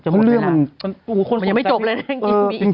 มันยังไม่จบเลยนะ